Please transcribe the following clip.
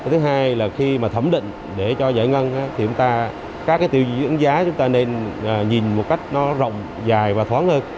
thứ hai là khi thẩm định để cho giải ngân các tiêu dưỡng giá chúng ta nên nhìn một cách rộng dài và thoáng hơn